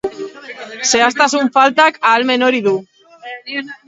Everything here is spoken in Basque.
Zehaztasun faltak ahalmen hori du.